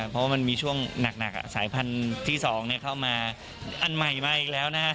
เพราะว่ามันมีช่วงหนักสายพันธุ์ที่๒เข้ามาอันใหม่มาอีกแล้วนะฮะ